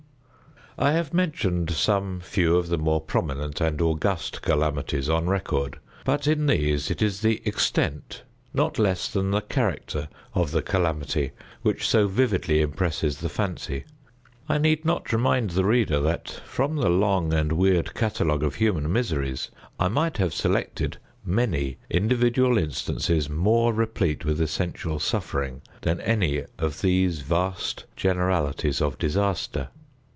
I have mentioned some few of the more prominent and august calamities on record; but in these it is the extent, not less than the character of the calamity, which so vividly impresses the fancy. I need not remind the reader that, from the long and weird catalogue of human miseries, I might have selected many individual instances more replete with essential suffering than any of these vast generalities of disaster.